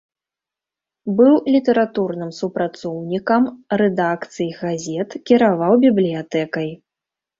Быў літаратурным супрацоўнікам рэдакцый газет, кіраваў бібліятэкай.